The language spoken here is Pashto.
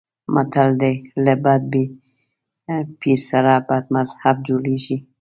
متل دی: له بد پیر سره بد مذهب جوړېږي.